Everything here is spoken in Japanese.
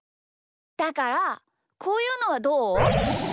だからこういうのはどう？